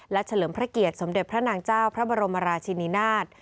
และเฉลิมพระเกียรติสมเด็จพระนางเจ้าพระบรมราชินินาศ